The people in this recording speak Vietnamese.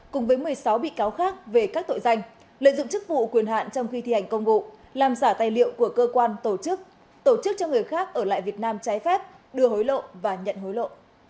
cùng với một mươi sáu bị cáo khác về các tội danh lợi dụng chức vụ quyền hạn trong khi thi hành công vụ làm giả tài liệu của cơ quan tổ chức tổ chức cho người khác ở lại việt nam trái phép đưa hối lộ và nhận hối lộ